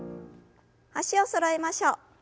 脚をそろえましょう。